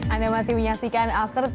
anda masih menyaksikan after sepuluh